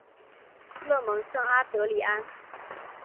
勒蒙圣阿德里安。